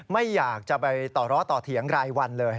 ไม่อยากจะไปต่อล้อต่อเถียงรายวันเลย